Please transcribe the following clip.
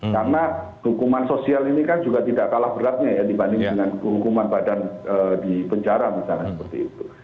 karena hukuman sosial ini kan juga tidak kalah beratnya ya dibandingkan dengan hukuman badan di penjara misalnya seperti itu